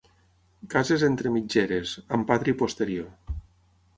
Cases entre mitgeres, amb patri posterior.